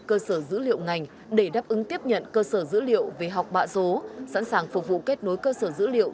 cơ sở dữ liệu ngành để đáp ứng tiếp nhận cơ sở dữ liệu về học bạ số sẵn sàng phục vụ kết nối cơ sở dữ liệu